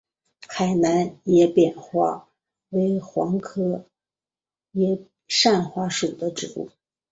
海南野扇花为黄杨科野扇花属的植物。